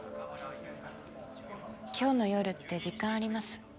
今日の夜って時間あります？